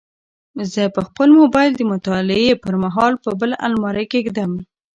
زه به خپل موبایل د مطالعې پر مهال په بل المارۍ کې کېږدم.